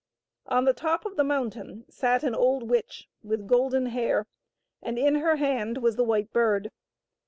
On the top of the mountain sat an old witch with golden hair, and in her hand was the White Bird.